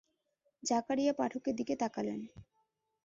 জাকারিয়া পাঠকের দিকে তাকালেন।